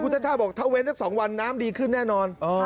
ชาติบอกถ้าเว้นสัก๒วันน้ำดีขึ้นแน่นอน